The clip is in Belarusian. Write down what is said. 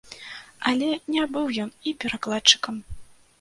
Але не быў ён і перакладчыкам!